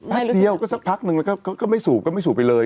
เดียวก็สักพักนึงแล้วก็ไม่สูบก็ไม่สูบไปเลย